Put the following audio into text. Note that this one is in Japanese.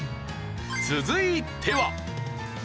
続いては。